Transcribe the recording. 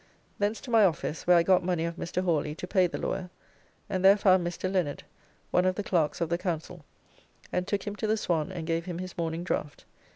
Thence to my office, where I got money of Mr. Hawly to pay the lawyer, and there found Mr. Lenard, one of the Clerks of the Council, and took him to the Swan and gave him his morning draft.